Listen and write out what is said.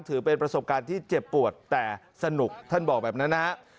ถือเป็นประสบการณ์ที่เจ็บปวดแต่สนุกท่านบอกแบบนั้นนะฮะ